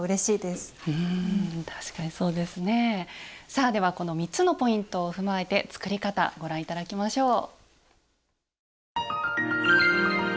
さあではこの３つのポイントを踏まえて作り方ご覧頂きましょう。